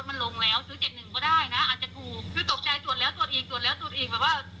พ่อเราอยู่กัน๒คนอะ